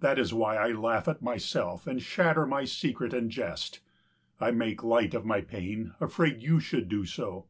That is why I laugh at myself and shatter my secret in jest. I make light of my pain, afraid you should do so.